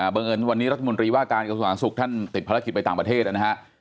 บังเอิญวันนี้รัฐมนตรีว่าการกระทรวงสาธารสุขท่านติดภารกิจไปต่างประเทศนะฮะ